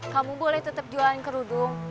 kamu boleh tetap jualan kerudung